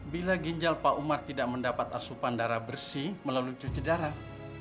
bila ginjal pak umar tidak mendapat asupan darah bersih melalui cuci darah